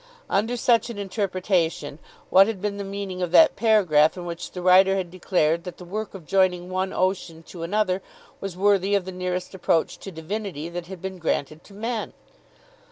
Under such an interpretation, what had been the meaning of that paragraph in which the writer had declared that the work of joining one ocean to another was worthy of the nearest approach to divinity that had been granted to men?